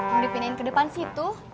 mau dipindahin ke depan situ